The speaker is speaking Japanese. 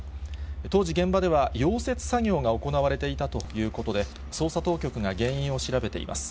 当時、現場では溶接作業が行われていたということで、捜査当局が原因を調べています。